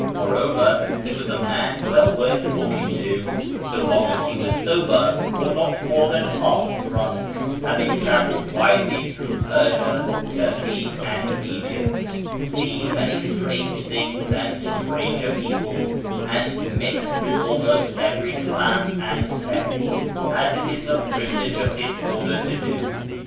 Moreover, he was a man well worth talking to, so long as he was sober or not more than half drunk, having travelled widely through Persia, Turkey, and Egypt ; seen many strange things and stranger people ; and mixed with almost every class and sect, as it is the privilege of his order to do.